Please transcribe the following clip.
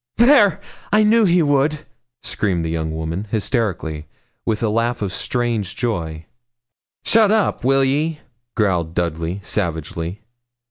'There! I knew he would,' screamed the young woman, hysterically, with a laugh of strange joy. 'Shut up, will ye?' growled Dudley, savagely.